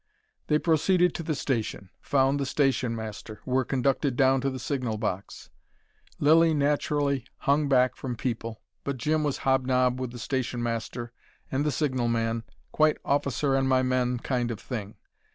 They proceeded to the station found the station master were conducted down to the signal box. Lilly naturally hung back from people, but Jim was hob nob with the station master and the signal man, quite officer and my men kind of thing.